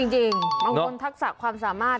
จริงบางคนทักษะความสามารถ